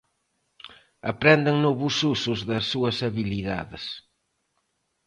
Aprenden novos usos das súas habilidades.